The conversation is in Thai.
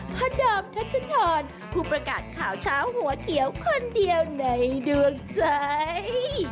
พ่อดอมทัชธรผู้ประกาศข่าวเช้าหัวเขียวคนเดียวในดวงใจ